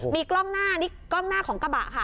มีกล้องหน้านี่กล้องหน้าของกระบะค่ะ